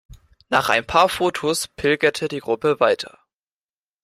Nach ein paar Fotos pilgerte die Gruppe weiter.